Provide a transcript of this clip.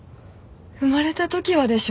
生まれたときはでしょ？